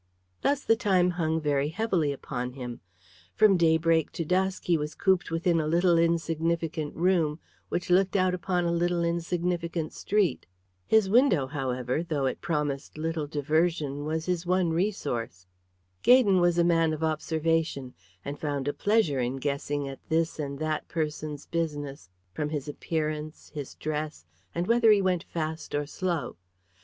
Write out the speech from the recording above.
Thus the time hung very heavily upon him. From daybreak to dusk he was cooped within a little insignificant room which looked out upon a little insignificant street. His window, however, though it promised little diversion, was his one resource. Gaydon was a man of observation, and found a pleasure in guessing at this and that person's business from his appearance, his dress, and whether he went fast or slow.